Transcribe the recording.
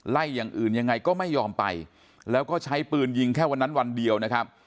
อย่างอื่นยังไงก็ไม่ยอมไปแล้วก็ใช้ปืนยิงแค่วันนั้นวันเดียวนะครับ